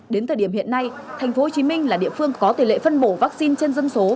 đến thời điểm hiện nay thành phố hồ chí minh là địa phương có tỷ lệ phân bổ vaccine trên dân số